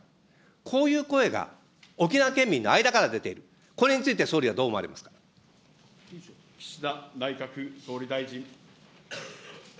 こういう声が、沖縄県民の間から出ている、岸田内閣総理大臣。